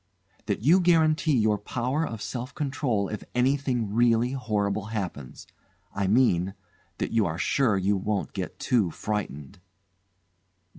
"That you guarantee your power of self control if anything really horrible happens. I mean that you are sure you won't get too frightened."